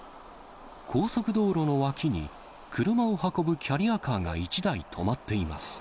高速道路の脇に、車を運ぶキャリアカーが１台止まっています。